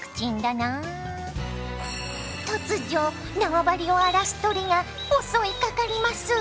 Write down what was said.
突如縄張りを荒らす鳥が襲いかかります。